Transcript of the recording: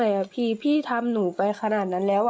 คาใจจังเลยอะพี่ทำหนูไปขนาดนั้นแล้วอ่ะ